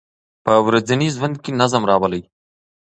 په ورځني ژوند کې نظم راولئ.